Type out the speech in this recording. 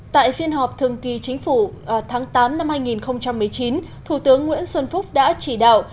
tại phiên họp thường kỳ chính phủ tháng tám năm hai nghìn một mươi chín thủ tướng nguyễn xuân phúc đã chỉ đạo